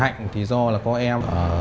hạnh thì do là có em